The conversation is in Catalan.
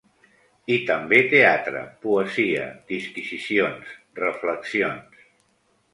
I també teatre, poesia, disquisicions, reflexions.